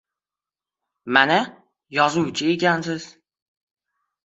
Mana, yozuvchi ekansiz.